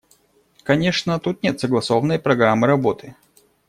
Конечно, тут нет согласованной программы работы.